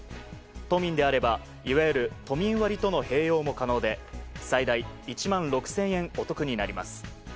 都民であればいわゆる都民割との併用も可能で最大１万６０００円お得になります。